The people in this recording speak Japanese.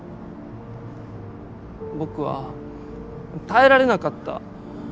僕は耐えられなかった。